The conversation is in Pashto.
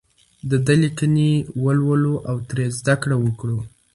د ده لیکنې ولولو او ترې زده کړه وکړو.